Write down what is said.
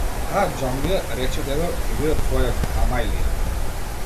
Таа џамлија, рече дедо, ќе биде твоја амајлија.